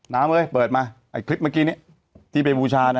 น้ำเลยเปิดมาไอ้คลิปเมื่อกี้นี้ที่เบบูชาน่ะ